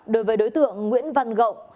đối với đối tượng nguyễn văn gậu